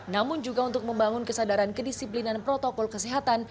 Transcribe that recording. namun juga untuk membangun kesadaran kedisiplinan protokol kesehatan